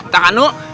tak kan nuk